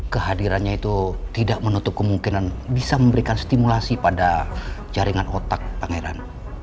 kehadirannya itu tidak menutup kemungkinan bisa memberikan stimulasi pada jaringan otak pangeran